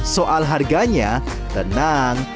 soal harganya tenang